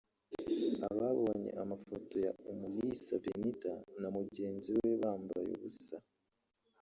Ababonye amafoto ya Umulisa Benitha na mugenzi we bambaye ubusa